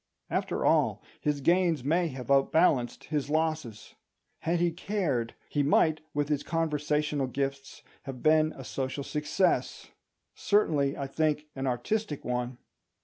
After all, his gains may have outbalanced his losses. Had he cared, he might, with his conversational gifts, have been a social success; certainly, I think, an artistic one.